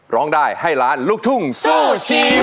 ร้องได้ให้ล้านลูกทุ่งสู้ชีวิต